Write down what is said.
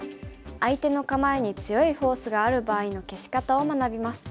相手の構えに強いフォースがある場合の消し方を学びます。